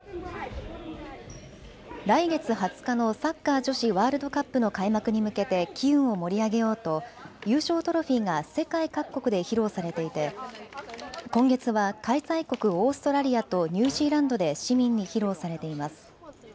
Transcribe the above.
来月２０日のサッカー女子ワールドカップの開幕に向けて機運を盛り上げようと優勝トロフィーが世界各国で披露されていて今月は開催国オーストラリアとニュージーランドで市民に披露されています。